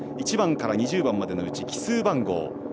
１番から２０番までのうち奇数番号